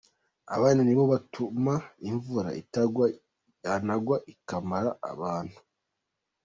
Aba nibo batuma imvura itagwa yanagwa ikamara abantu.